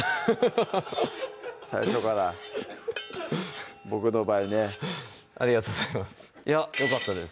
最初から僕の場合ねありがとうございますいやよかったです